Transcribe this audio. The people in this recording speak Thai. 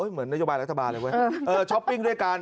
เหมือนนโยบายรัฐบาลเลยเว้ยช้อปปิ้งด้วยกัน